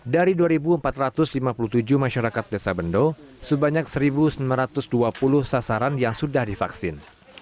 dari dua empat ratus lima puluh tujuh masyarakat desa bendo sebanyak satu sembilan ratus dua puluh sasaran yang sudah divaksin